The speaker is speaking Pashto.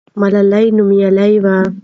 ملالۍ نومیالۍ وه.